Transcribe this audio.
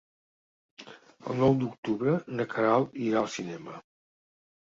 El nou d'octubre na Queralt irà al cinema.